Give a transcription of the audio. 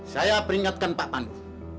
saya peringatkan pak pandu